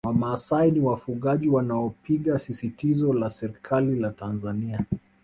Wamasai ni wafugaji wanaopinga sisitizo la serikali za Tanzania